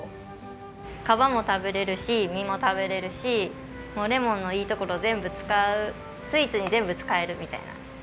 皮も食べられるし実も食べられるしもうレモンのいいところ全部使うスイーツに全部使えるみたいな。